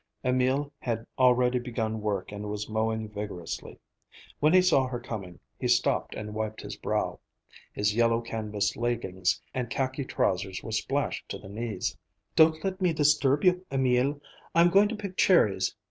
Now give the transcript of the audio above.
Emil had already begun work and was mowing vigorously. When he saw her coming, he stopped and wiped his brow. His yellow canvas leggings and khaki trousers were splashed to the knees. "Don't let me disturb you, Emil. I'm going to pick cherries.